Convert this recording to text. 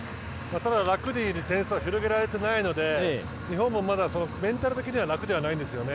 ただ、楽に点差を広げられていないので日本もまだメンタル的には楽ではないんですよね。